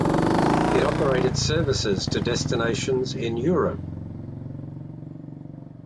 It operated services to destinations in Europe.